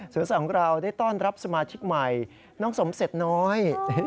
สัตว์ของเราได้ต้อนรับสมาชิกใหม่น้องสมเสร็จน้อย